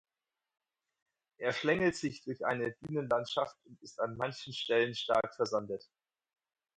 Er schlängelt sich durch eine Dünenlandschaft und ist an manchen Stellen stark versandet.